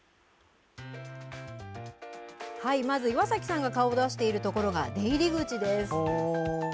まず、岩崎さんが顔を出している所が出入り口です。